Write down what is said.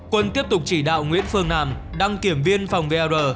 quân tiếp tục chỉ đạo nguyễn phương nam đăng kiểm viên phòng vr